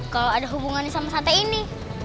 kalau ada hubungannya sama sate ini